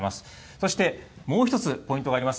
そして、もう１つ、ポイントがあります。